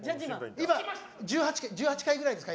今、１８回ぐらいですか？